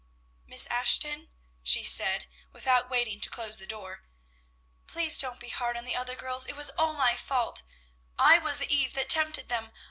"Miss Ashton," she said, without waiting to close the door, "please don't be hard on the other girls. It was all my fault; I was the Eve that tempted them.